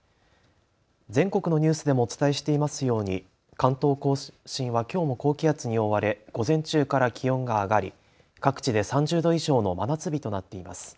全国のニュースでもお伝えしていますように関東甲信はきょうも高気圧に覆われ午前中から気温が上がり各地で３０度以上の真夏日となっています。